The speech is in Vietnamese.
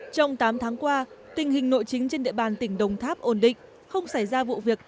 trong tám tháng qua tình hình nội chính trên địa bàn tỉnh đồng tháp ổn định không xảy ra vụ việc